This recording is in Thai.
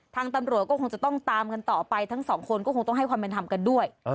ทางตำรวจก็คงจะต้องตามกันต่อไปทั้งสองคนก็คงต้องให้ความเป็นธรรมกันด้วย